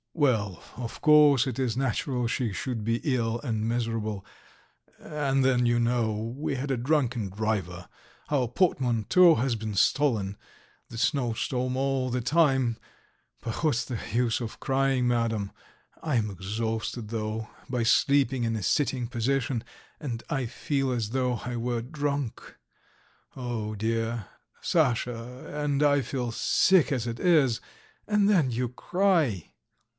Well, of course, it is natural she should be ill and miserable, ... and then, you know, we had a drunken driver, our portmanteau has been stolen ... the snowstorm all the time, but what's the use of crying, Madam? I am exhausted, though, by sleeping in a sitting position, and I feel as though I were drunk. Oh, dear! Sasha, and I feel sick as it is, and then you cry!"